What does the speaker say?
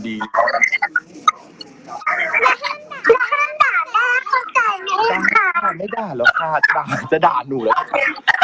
จะห้ามไม่ด่าหรอกค่ะจะด่าหนูแล้วค่ะ